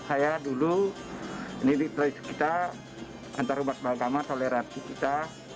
saya dulu ini tradisi kita antar umat beragama toleransi kita